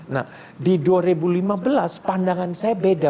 nah di dua ribu lima belas pandangan saya beda